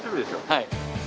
はい。